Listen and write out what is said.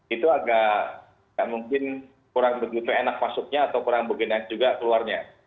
itu agak mungkin kurang begitu enak masuknya atau kurang bergenak juga keluarnya